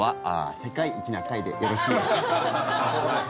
「世界一な会」でよろしいですか？